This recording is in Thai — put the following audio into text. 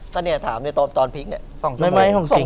ถ้าเนี่ยถามตอนพลิกเนี่ย